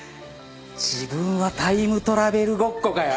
自分はタイムトラベルごっこかよ